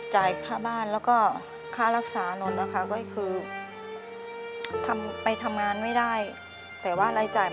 จ่ายค่าบ้านแล้วก็ค่ารักษานนต์นะคะ